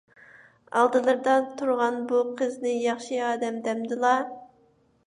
ئالدىلىرىدا تۇرغان بۇ قىزنى ياخشى ئادەم دەمدىلا؟